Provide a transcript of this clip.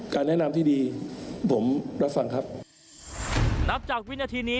แนะนำที่ดีผมรับฟังครับนับจากวินาทีนี้